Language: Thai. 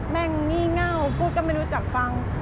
แม่งงี่เง่าพูดก็ไม่รู้จักฟัง